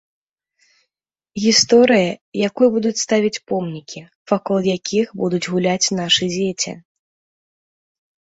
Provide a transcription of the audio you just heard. Гісторыя, якой будуць ставіць помнікі, вакол якіх будуць гуляць нашы дзеці.